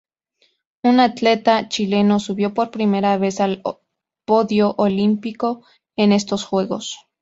Un atleta chileno subió por primera vez al podio olímpico en estos juegos.